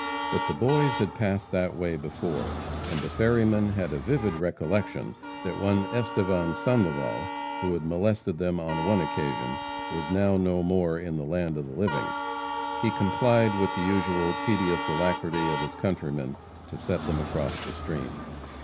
But the boys had passed that way before, and the ferryman had a vivid recollection that one Estevan Sandoval, who had molested them on one occasion, was now no more in the land of the living. He complied with the usual tedious alacrity of his countrymen to set them across the stream.